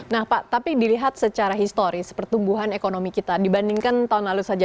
nah pak tapi dilihat secara historis pertumbuhan ekonomi kita dibandingkan tahun lalu saja